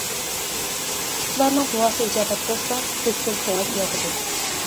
ئىتلارنىڭ دۇئاسى ئىجابەت بولسا كۆكتىن سۆڭەك ياغىدۇ.